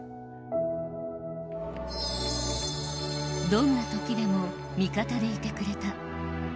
どんなときでも味方でいてくれた。